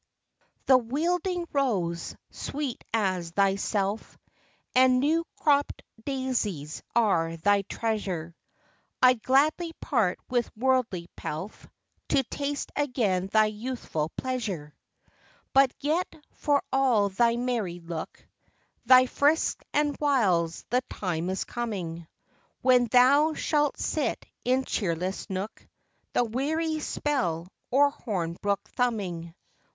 'pHE wilding rose, sweet as thyself, And new cropp'd daisies, are thy treasure; I'd gladly part with worldly pelf, To taste again thy youthful pleasure ! But yet, for all thy merry look, Thy frisks and wiles, the time is coming, When thou shalt sit in cheerless nook, The weary spell or hornbook thumbing.